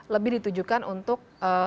lebih ditujukan untuk